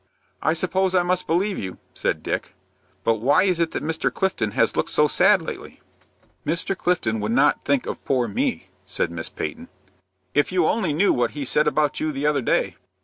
"I suppose I must believe you," said Dick, "but why is it that Mr. Clifton has looked so sad lately?" "Mr. Clifton would not think of poor me," said Miss Peyton. "If you only knew what he said about you the other day."